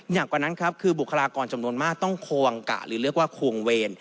กว่านั้นครับคือบุคลากรจำนวนมากต้องควงกะหรือเรียกว่าควงเวร